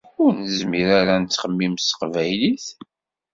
Ur nezmir ara ad nettxemmim s teqbaylit?